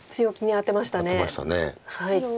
アテました。